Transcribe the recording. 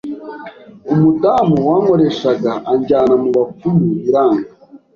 umudamu wankoreshaga anjyana mu bapfumu biranga